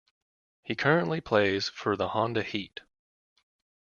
He currently plays for the Honda Heat.